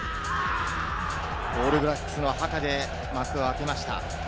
オールブラックスのハカで幕を開けました。